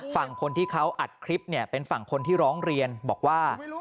ฝั่งคนที่เขาอัดคลิปเนี่ยเป็นฝั่งคนที่ร้องเรียนบอกว่า